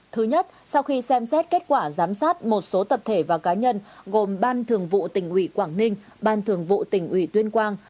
thứ nhất sau khi xem xét kết quả giám sát một số tập thể và cá nhân gồm ban thường vụ tỉnh ủy quảng ninh ban thường vụ tỉnh ủy tuyên quang